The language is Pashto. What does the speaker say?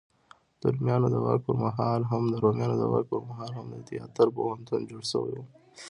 د روميانو د واک په مهال هم د تیاتر پوهنتون جوړ شوی و.